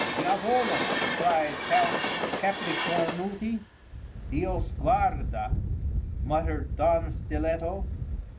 "Diavolo!" cried Count Capricornutti. "Dios guarda!" muttered Don Stiletto.